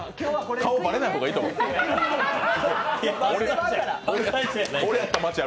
顔、バレない方がいいと思われる。